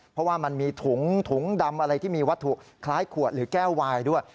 เพราะว่ามันมีถุงถุงดำอะไรที่มีวัตถุคล้ายขวดหรือแก้ววายด้วย